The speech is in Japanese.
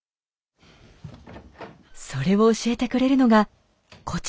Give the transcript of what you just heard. それを教えてくれるのがこちらの方。